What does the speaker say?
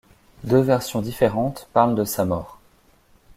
Deux versions différentes parlent de sa mort.